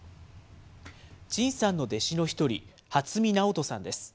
陳さんの弟子の一人、初見直人さんです。